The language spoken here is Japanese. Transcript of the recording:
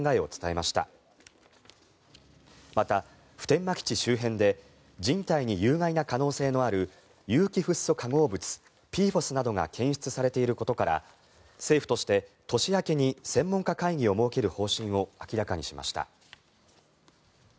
また、普天間基地周辺で人体に有害な可能性がある有機フッ素化合物ＰＦＯＳなどが検出されていることから政府として年明けに専門家会議を設ける方針を明らかにしました。